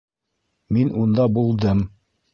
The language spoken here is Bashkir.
Мин унда булдым!